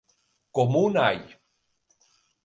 Com un all.